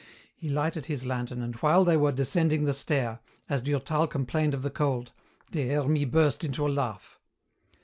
He lighted his lantern, and while they were descending the stair, as Durtal complained of the cold, Des Hermies burst into a laugh.